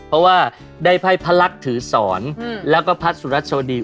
เพราะว่าได้ไพ่พระลักษณ์ถือสอนแล้วก็พระสุรัสวดี